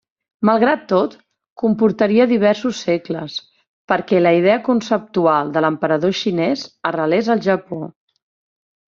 Malgrat tot, comportaria diversos segles perquè la idea conceptual de l’emperador xinès arrelés al Japó.